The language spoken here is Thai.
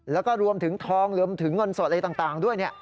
แล้วก็รวมถึงทองรวมถึงเงินสดอะไรต่างด้วย